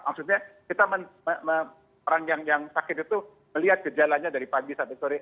maksudnya kita orang yang sakit itu melihat gejalanya dari pagi sampai sore